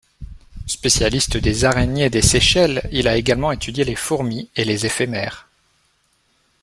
Spécialiste des araignées des Seychelles, il a également étudié les fourmis et les éphémères.